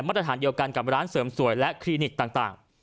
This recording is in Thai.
ตรฐานเดียวกันกับร้านเสริมสวยและคลินิกต่าง